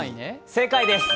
正解です。